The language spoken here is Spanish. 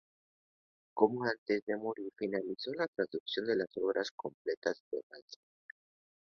Poco antes de morir finalizó la traducción de las "Obras completas" de Balzac.